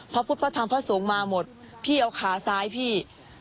พระพุทธพระธรรมพระสงฆ์มาหมดพี่เอาขาซ้ายพี่